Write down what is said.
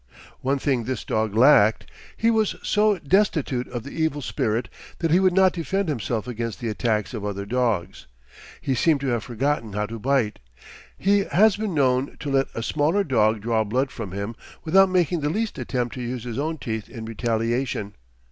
One thing this dog lacked. He was so destitute of the evil spirit that he would not defend himself against the attacks of other dogs. He seemed to have forgotten how to bite. He has been known to let a smaller dog draw blood from him without making the least attempt to use his own teeth in retaliation.